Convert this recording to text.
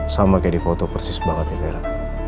sama kayak di foto persis banget ya tera